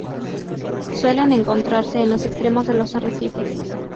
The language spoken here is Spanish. Suele encontrarse en los extremos de los arrecifes.